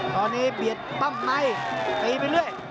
ตอนนี้เบียดปั้มในตีไปเรื่อย